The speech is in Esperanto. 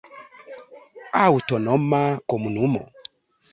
Aŭtonoma Komunumo.